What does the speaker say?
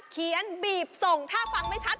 เขียนบีบส่งถ้าฟังไม่ชัด